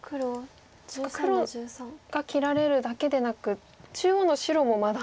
そっか黒が切られるだけでなく中央の白もまだ。